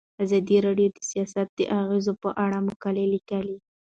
ازادي راډیو د سیاست د اغیزو په اړه مقالو لیکلي.